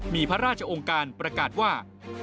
มีพระราชองค์การประกาศว่า